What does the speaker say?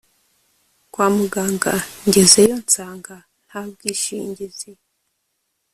kwamugaga ngezeyo nsaga nta bwishingizi